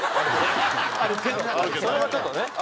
それはちょっとね。